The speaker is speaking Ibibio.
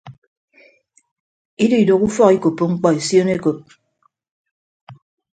Ididooho ufọk ikoppo mkpọ esion ekop.